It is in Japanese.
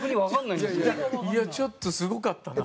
いやちょっとすごかったな。